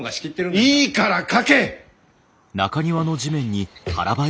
いいから書け！